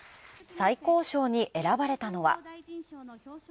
最高賞に選ばれたのは。